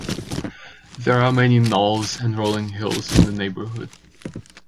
There are many knolls and rolling hills in the neighborhood.